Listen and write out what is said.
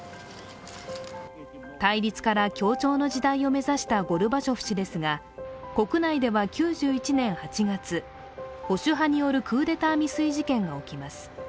対立から協調の時代を目指したゴルバチョフ氏ですが国内では９１年８月、保守派によるクーデター未遂事件が起きます。